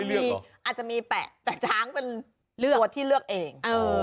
อาจจะมีแปะแต่ช้างเป็นเลือกวัดที่เลือกเอง